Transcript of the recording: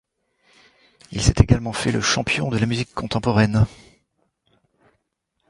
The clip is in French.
Il s'est également fait le champion de la musique contemporaine.